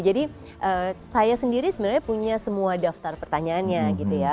jadi saya sendiri sebenarnya punya semua daftar pertanyaannya gitu ya